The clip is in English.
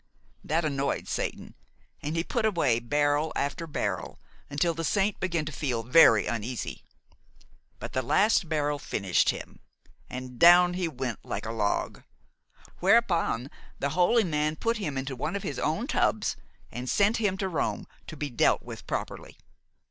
That annoyed Satan, and he put away barrel after barrel, until the saint began to feel very uneasy. But the last barrel finished him, and down he went like a log, whereupon the holy man put him into one of his own tubs and sent him to Rome to be dealt with properly.